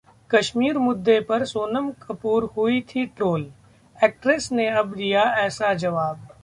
कश्मीर मुद्दे पर सोनम कपूर हुई थीं ट्रोल, एक्ट्रेस ने अब दिया ऐसा जवाब